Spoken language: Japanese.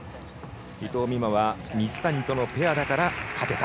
伊藤美誠は水谷とのペアだから勝てた。